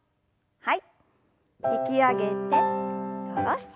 はい。